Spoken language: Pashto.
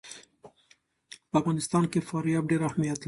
په افغانستان کې فاریاب ډېر اهمیت لري.